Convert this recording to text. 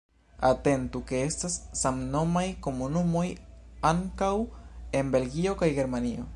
Atentu, ke estas samnomaj komunumoj ankaŭ en Belgio kaj Germanio.